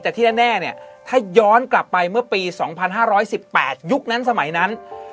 แต่ที่แน่เนี่ยถ้าย้อนกลับไปเมื่อปี๒๕๑๘ยุคนั้นสมัยนั้น